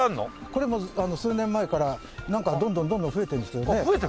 これ数年前からなんかどんどんどんどん増えてるんですけどね。